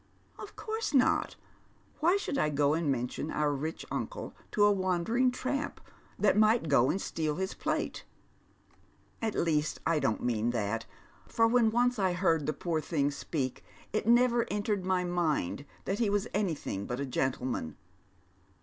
" OJ: course not ; why should I go and mention our rich undo to a wandering tramp that might go and steal his plate ? At least, I don't mean that, for when once I heard the poor thing Bpeak it never entered my mind tliat he was anything but a /gentleman.